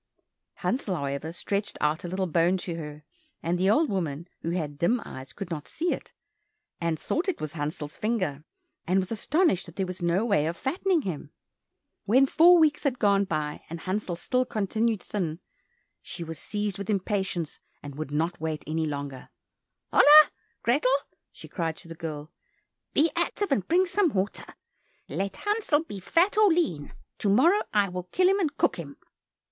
Hansel, however, stretched out a little bone to her, and the old woman, who had dim eyes, could not see it, and thought it was Hansel's finger, and was astonished that there was no way of fattening him. When four weeks had gone by, and Hansel still continued thin, she was seized with impatience and would not wait any longer. "Hola, Grethel," she cried to the girl, "be active, and bring some water. Let Hansel be fat or lean, to morrow I will kill him, and cook him."